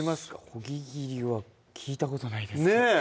そぎ切りは聞いたことないです